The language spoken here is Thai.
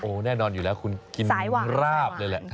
แน่นอนอยู่แล้วคุณกินราบเลยแหละ